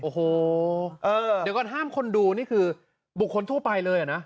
โอ้โหเดี๋ยวก่อนห้ามคนดูนี่คือบุคคลทั่วไปเลยนะ